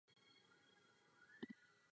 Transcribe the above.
Celá kniha je rozdělena na tři části.